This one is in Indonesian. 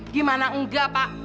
gimana enggak pak